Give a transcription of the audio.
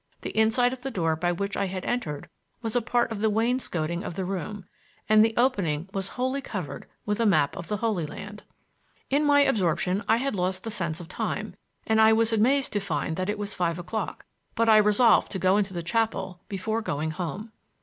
The inside of the door by which I had entered was a part of the wainscoting of the room, and the opening was wholly covered with a map of the Holy Land. In my absorption I had lost the sense of time, and I was amazed to find that it was five o'clock, but I resolved to go into the chapel before going home.